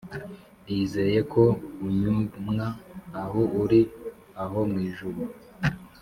nizeye ko, unyumwa aho uri aho mwijuru